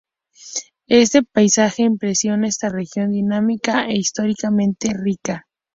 Este paisaje impresiona esta región dinámica e históricamente rica.